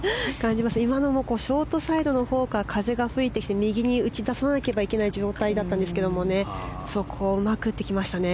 今のもショートサイドのほうから風が吹いてきて右に打ち出さなければいけない状態だったんですがそこをうまく打ってきましたね。